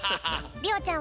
りおちゃんはね